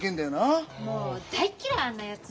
もう大っ嫌いあんなやつ。